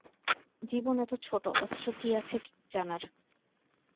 জীবন এত ছোট, অথচ কত কি আছে জানার।